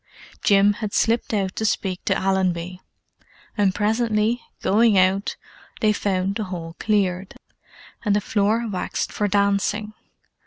Jim had slipped out to speak to Allenby: and presently, going out, they found the hall cleared, and the floor waxed for dancing.